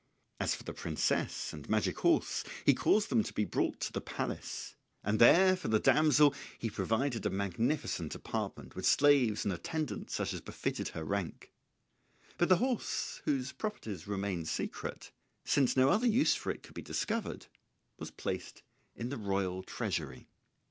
As for the princess and magic horse, he caused them to be brought to the palace; and there for the damsel he provided a magnificent apartment with slaves and attendants such as befitted her rank; but the horse, whose properties remained secret, since no other use for it could be discovered, was placed in the royal treasury.